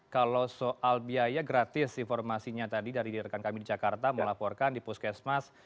kalau soal biaya gratis informasinya tadi dari rekan kami di jakarta melaporkan di puskesmas